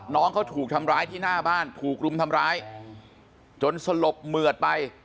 น้องเขาถูกทำร้ายที่หน้าบ้านถูกรุมทำร้ายจนสลบเหมือดไป